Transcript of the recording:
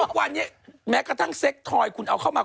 ทุกวันนี้แม้กระทั่งเซ็กทอยคุณเอาเข้ามา